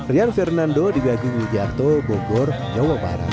rian fernando di gagung lidjarto bogor jawa barat